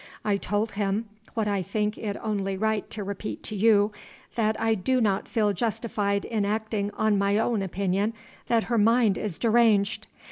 "I told him what I think it only right to repeat to you that I do not feel justified in acting on my own opinion that her mind is deranged.